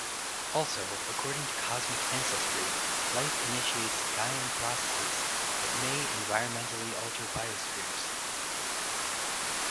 Also, according to cosmic ancestry, life initiates Gaian processes that may environmentally alter biospheres.